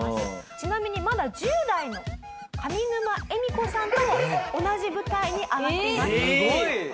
ちなみにまだ１０代の上沼恵美子さんとも同じ舞台に上がっています。